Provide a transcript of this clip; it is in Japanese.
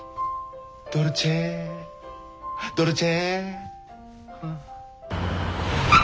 ドルチェドルチェ。